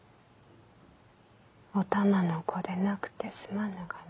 お玉の子でなくてすまぬがな。